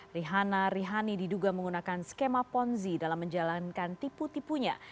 rihana rihani diduga menggunakan skema ponzi dalam menjalankan tipu tipunya